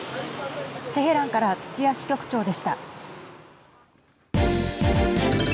テヘランから土屋支局長でした。